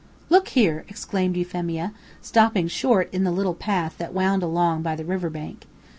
"Look here!" exclaimed Euphemia, stopping short in the little path that wound along by the river bank.